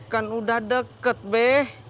kan udah deket be